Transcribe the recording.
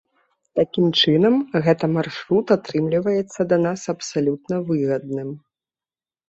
Такім чынам, гэта маршрут атрымліваецца да нас абсалютна выгадным.